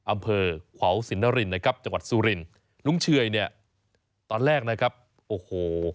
อำเภอขวาวสินนรินนะครับจังหวัดสุรินลุงเชยเนี่ยตอนแรกนะครับโอ้โห